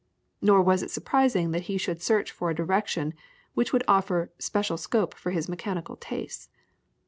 Nor was it surprising that he should search for a direction which would offer special scope for his mechanical tastes.